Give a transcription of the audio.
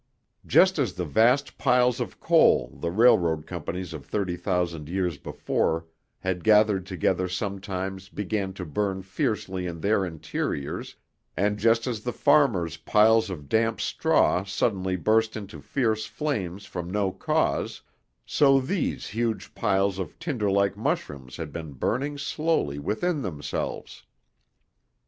Just as the vast piles of coal the railroad companies of thirty thousand years before had gathered together sometimes began to burn fiercely in their interiors, and just as the farmers' piles of damp straw suddenly burst into fierce flames from no cause, so these huge piles of tinder like mushrooms had been burning slowly within themselves.